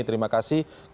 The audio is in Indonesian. terima kasih pak binsar